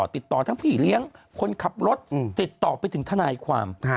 ติดต่อทั้งพี่เลี้ยงคนขับรถติดต่อไปถึงทนายความ